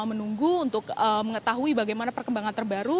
menunggu untuk mengetahui bagaimana perkembangan terbaru